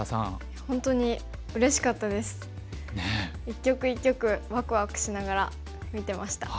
一局一局ワクワクしながら見てました。